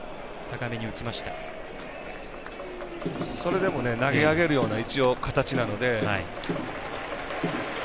それでも投げ上げるような一応、形なので。